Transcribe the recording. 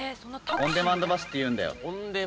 オンデマンドバスっていうんだよ。